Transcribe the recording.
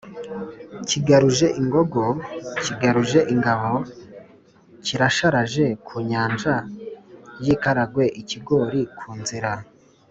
Kigaruje ingogo kigaruje ingabo kirasharaje ku nyanja y'i Karagwe-Ikigori ku nzira.